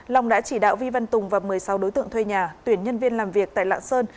long đã chỉ đạo vi văn tùng và một mươi sáu đối tượng thuê nhà tuyển nhân viên làm việc tại lạng sơn